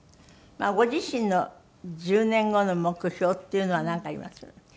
ご自身の１０年後の目標っていうのはなんかあります？